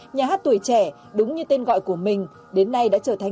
nhà hát tuổi trẻ đúng như tên gọi của mình đến nay đã trở thành